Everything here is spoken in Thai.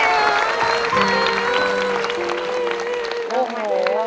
ใช่